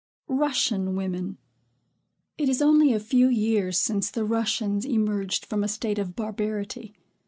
RUSSIAN WOMEN. It is only a few years since the Russians emerged from a state of barbarity.